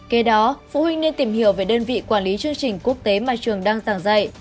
kế đó phụ huynh nên tìm hiểu về đơn vị quản lý chương trình quốc tế mà trường đang giảng dạy